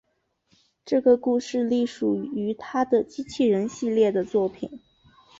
这个故事隶属于他的机器人系列的作品。